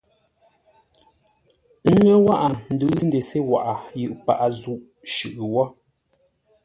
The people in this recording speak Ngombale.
Ə́ ŋə́ wághʼə ndʉʉ ndesé waghʼə yʉʼ paghʼə zúʼ shʉʼʉ wó.